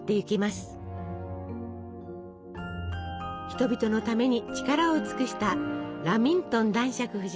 人々のために力を尽くしたラミントン男爵夫人。